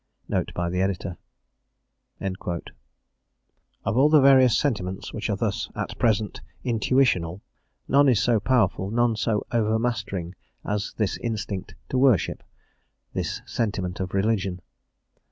Note by the Editor. Of all the various sentiments which are thus at present "intuitional," none is so powerful, none so overmastering as this instinct to worship, this sentiment of religion.